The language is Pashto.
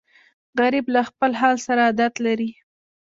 غریب له خپل حال سره عادت لري